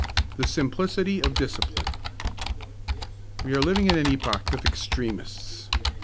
II THE SIMPLICITY OF DISCIPLINE We are living in an epoch of extremists.